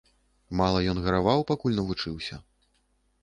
Мала ён гараваў, пакуль навучыўся?